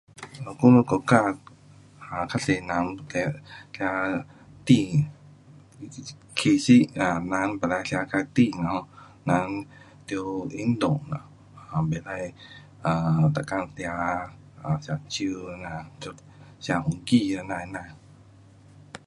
我们国家 um 很多人跟，跟店其实 um 人不可吃较甜哦。人得运动 um 什么要 um 每次喝酒这样吃香烟这样样。